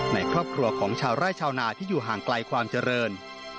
ในครอบครัวของชาวไร่ชาวนาที่อยู่ห่างไกลความเจริญ